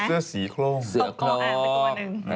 เสื้อสีโครงเสือโครง